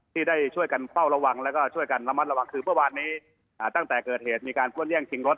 ที่ได้ช่วยกันเฝ้าระวังแล้วก็ช่วยกันระมัดระวังคือเมื่อวานนี้ตั้งแต่เกิดเหตุมีการป้วนแย่งชิงรถ